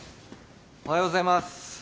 おはようございます。